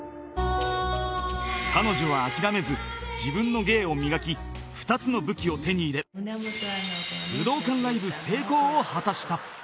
彼女は諦めず自分の芸を磨き２つの武器を手に入れ武道館ライブ成功を果たした